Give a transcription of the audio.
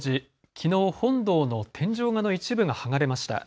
きのう本堂の天井画の一部が剥がれました。